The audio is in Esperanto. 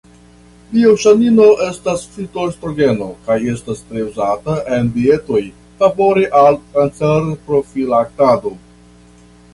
Bioŝanino estas fitoestrogeno kaj estas tre uzata en dietoj favore al kancerprofilaktado.